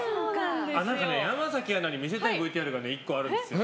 山崎アナに見せたいＶＴＲが１個あるんですよ。